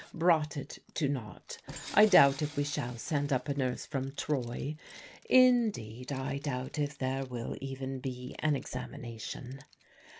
brought it to nought. I doubt if we shall send up a nurse from Troy; indeed, I doubt if there will even be an examination.